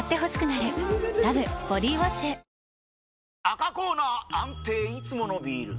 赤コーナー安定いつものビール！